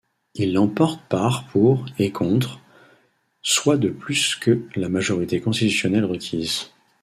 Il l'emporte par pour et contre, soit de plus que la majorité constitutionnelle requise.